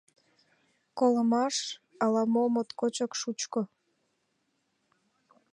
Колымаш — ала-мо моткочак шучко.